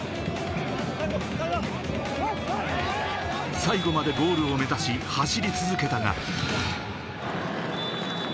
最後までゴールを目指し走り続けたが。